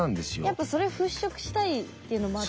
やっぱそれ払拭したいっていうのもあった？